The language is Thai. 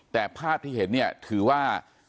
แต่ภาพที่เห็นเนี่ยถือว่า